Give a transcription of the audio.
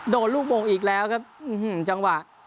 โดนลูกมงอีกแล้วครับอื้อหือจังหวะ